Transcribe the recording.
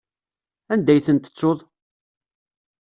Anda ay ten-tettuḍ?